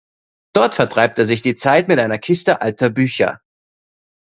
Dort vertreibt er sich die Zeit mit einer Kiste alter Bücher.